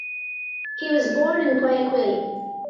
He was born in Guayaquil.